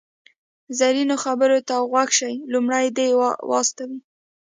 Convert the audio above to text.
زرینو خبرو ته غوږ شئ، لومړی دې و استوئ.